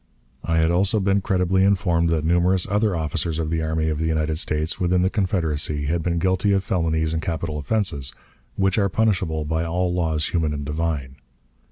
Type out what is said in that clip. I had also been credibly informed that numerous other officers of the army of the United States within the Confederacy had been guilty of felonies and capital offenses, which are punishable by all laws human and divine.